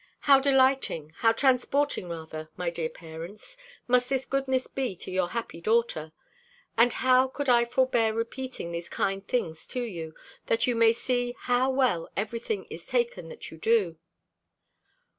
How delighting, how transporting rather, my dear parents, must this goodness be to your happy daughter! And how could I forbear repeating these kind things to you, that you may see how well every thing is taken that you do?